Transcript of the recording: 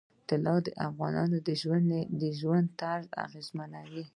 طلا د افغانانو د ژوند طرز اغېزمنوي.